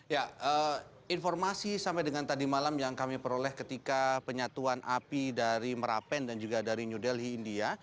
ya informasi sampai dengan tadi malam yang kami peroleh ketika penyatuan api dari merapen dan juga dari new delhi india